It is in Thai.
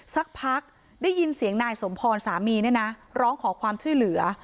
สักพักได้ยินเสียงนายสมพรสามีเนี่ยนะร้องขอความช่วยเหลือ